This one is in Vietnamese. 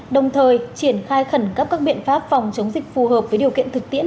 đồng thời triển khai khẩn cấp các biện pháp phòng chống dịch phù hợp với điều kiện thực tiễn